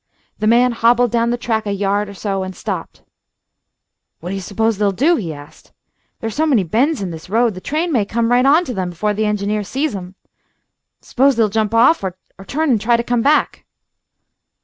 The man hobbled down the track a yard or so and stopped. "What do you suppose they'll do?" he asked. "There are so many bends in this road, the train may come right on to 'em before the engineer sees 'em. S'pose they'll jump off, or turn and try to come back?"